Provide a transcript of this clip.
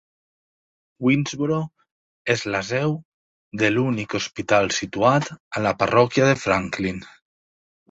Winnsboro és la seu de l'únic hospital situat a la parròquia de Franklin.